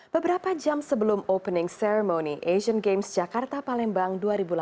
beberapa jam sebelum opening ceremony asian games jakarta palembang dua ribu delapan belas